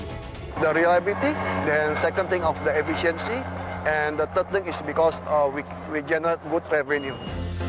yang penting adalah keberadaan mudah kemudian yang kedua kesepakatan dan yang ketiga adalah karena kita menghasilkan penguntung yang baik